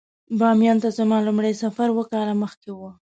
باميان ته زما لومړی سفر اووه کاله مخکې و.